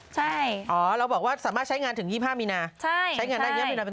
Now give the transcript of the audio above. ใช่อ๋อเราบอกว่าสามารถใช้งานถึง๒๕มินาชุม